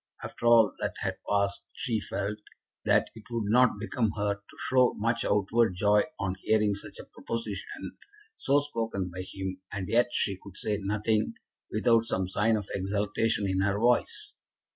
After all that had passed she felt that it would not become her to show much outward joy on hearing such a proposition, so spoken by him, and yet she could say nothing without some sign of exultation in her voice.